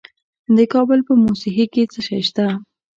د کابل په موسهي کې څه شی شته؟